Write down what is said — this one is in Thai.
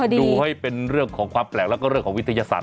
ดูให้เป็นเรื่องของความแปลกแล้วก็เรื่องของวิทยาศาสต